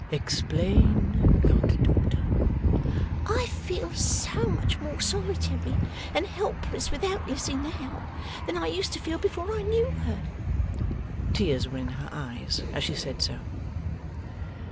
'Explain, god daughter.' 'I feel so much more solitary and helpless without Lizzie now, than I used to feel before I knew her.' (Tears were in her eyes as she said so.)